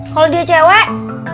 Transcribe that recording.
kalau dia cewek